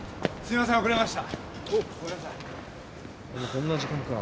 こんな時間か。